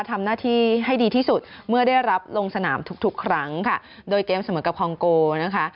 ทำหน้าที่ให้ดีที่สุดเมื่อได้รับลงสนามทุกครั้งค่ะโดยเกมเสมอกับคองโกนะคะ